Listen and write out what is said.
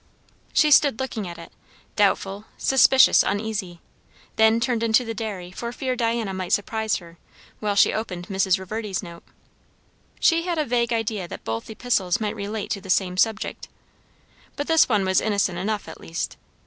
She stood looking at it, doubtful, suspicious, uneasy; then turned into the dairy for fear Diana might surprise her, while she opened Mrs. Reverdy's note. She had a vague idea that both epistles might relate to the same subject. But this one was innocent enough, at least.